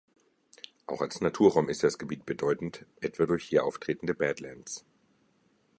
Auch als Naturraum ist das Gebiet bedeutend, etwa durch hier auftretende Badlands.